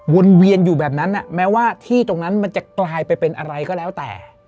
วนเวียนอยู่แบบนั้นแม้ว่าที่ตรงนั้นมันจะกลายไปเป็นอะไรก็แล้วแต่